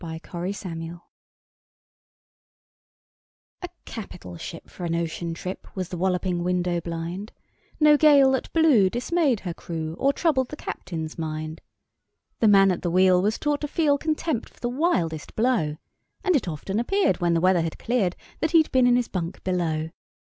Y Z A Nautical Ballad A CAPITAL ship for an ocean trip Was The Walloping Window blind No gale that blew dismayed her crew Or troubled the captain's mind. The man at the wheel was taught to feel Contempt for the wildest blow, And it often appeared, when the weather had cleared, That he'd been in his bunk below.